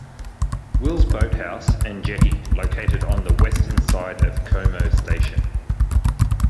Wills Boat House and jetty located on the western side of Como Station.